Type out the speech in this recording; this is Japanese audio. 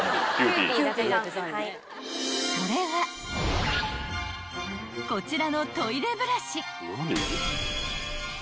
［それはこちらのトイレブラシ］